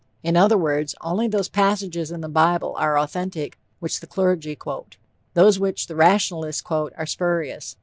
In other words, only those passages in the bible are authentic which the clergy quote; those which the rationalists quote are spurious.